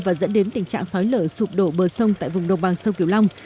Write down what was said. và dẫn đến tình trạng xói lở sụp đổ bờ sông tại vùng đồng bằng sông cửu long